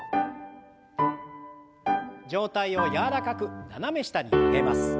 上体を柔らかく斜め下に曲げます。